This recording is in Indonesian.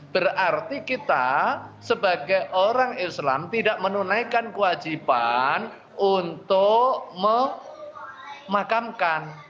berarti kita sebagai orang islam tidak menunaikan kewajiban untuk memakamkan